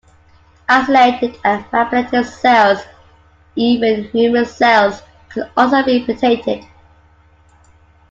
Isolated and manipulated cells - even human cells - can also be patented.